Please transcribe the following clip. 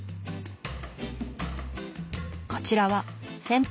こちらは先輩